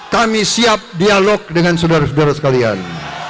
kami siap dialog dengan saudara saudara sekalian